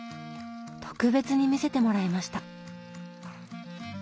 特別に見せてもらいました！